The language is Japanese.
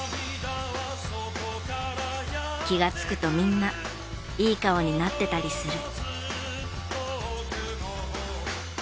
気がつくとみんないい顔になってたりする。